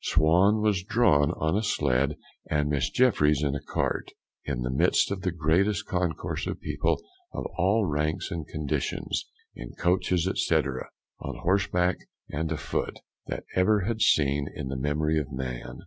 Swan was drawn on a sledge, and Miss Jeffryes in a cart, in the midst of the greatest concourse of people of all ranks and conditions, in coaches, &c., on horseback and a foot, that ever had been seen in the memory of man.